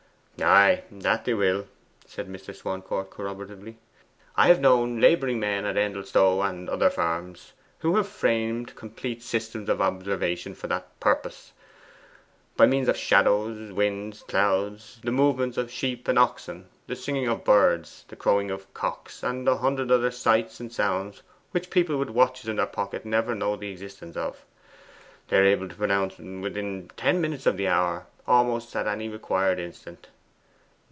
'Ay, that they will,' said Mr. Swancourt corroboratively. 'I have known labouring men at Endelstow and other farms who had framed complete systems of observation for that purpose. By means of shadows, winds, clouds, the movements of sheep and oxen, the singing of birds, the crowing of cocks, and a hundred other sights and sounds which people with watches in their pockets never know the existence of, they are able to pronounce within ten minutes of the hour almost at any required instant.